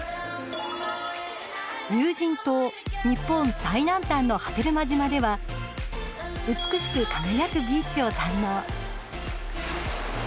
有人島日本最南端の波照間島では美しく輝くビーチを堪能。